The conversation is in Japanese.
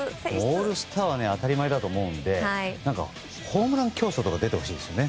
オールスターは当たり前だと思うんでホームラン競争とか出てほしいですね。